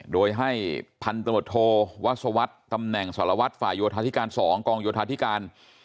โดยให้พันธมตโทวัศวรรษตำแหน่งสารวัตรฝ่ายโยธาธิการ๒กองโยธาธิการ